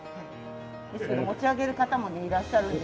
ですけど持ち上げる方もねいらっしゃるんですよ。